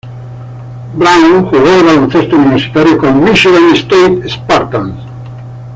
Brown jugó al baloncesto universitario con Michigan State Spartans.